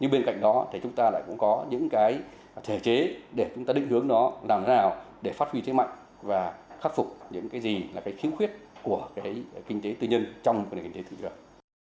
nhưng bên cạnh đó thì chúng ta lại cũng có những thể chế để chúng ta định hướng nó làm thế nào để phát huy thế mạnh và khắc phục những cái gì là cái khiếu khuyết của kinh tế tư nhân trong kinh tế tư vườn